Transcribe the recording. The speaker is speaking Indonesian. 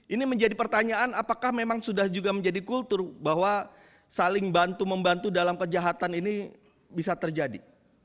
ini menjadi pertanyaan apakah memang sudah juga menjadi kultur bahwa saling bantu membantu dalam kejahatan ini bisa terjadi